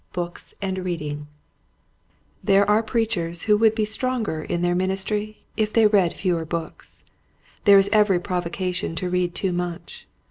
Books and Reading, There are preachers who would be stronger in their ministry if they read fewer books. There is every provocation to read too much.